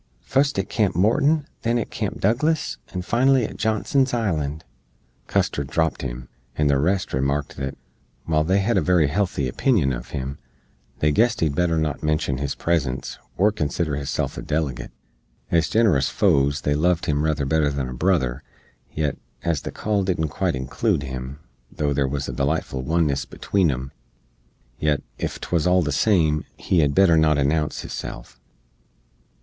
"Fust at Camp Morton, then at Camp Douglas, and finally at Johnson's Island!" Custar dropt him, and the rest remarked that, while they hed a very helthy opinion uv him, they guessed he'd better not menshen his presence, or consider hisself a delegate. Ez ginerous foes they loved him ruther better than a brother; yet, as the call didn't quite inclood him, tho' there wuz a delightful oneness between em, yet, ef 'twuz all the same, he hed better not announce hisself.